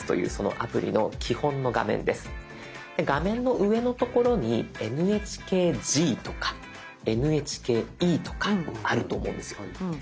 画面の上のところにＮＨＫＧとかＮＨＫＥとかあると思うんですよ。